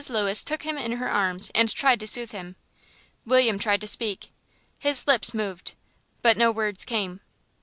Lewis took him in her arms and tried to soothe him. William tried to speak; his lips moved, but no words came.